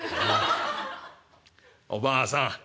おばあさん